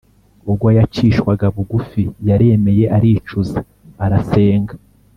Ubwo yacishwaga bugufi, yaremeye aricuza, arasenga.